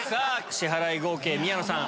支払い合計宮野さん